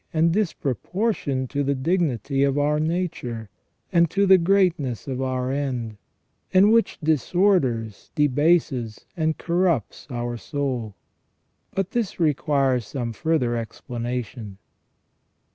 213 and disproportioned to the dignity of our nature, and to the great ness of our end, and which disorders, debases, and corrupts our soul. But this requires some further explanation.